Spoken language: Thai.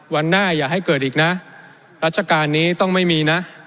วันหน้าอย่าให้เกิดอีกนะรัชการนี้ต้องไม่มีนะ